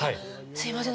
すいません。